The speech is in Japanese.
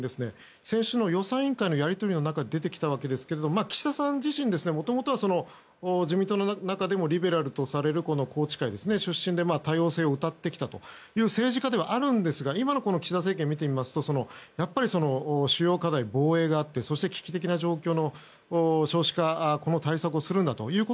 先週の予算委員会のやり取りの中で出てきたわけですが岸田さん自身もともとは自民党の中でもリベラルとされる宏池会出身で多様性をうたってきたという政治家ではありますが今の岸田政権を見てみますとやっぱり、主要課題に防衛があってそして危機的な状況の少子化対策をするんだと。